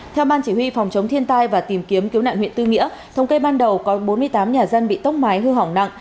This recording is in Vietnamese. theo ban chỉ huy phòng chống thiên tai và tìm kiếm cứu nạn huyện tư nghĩa thống kê ban đầu có bốn mươi tám nhà dân bị tốc mái hư hỏng nặng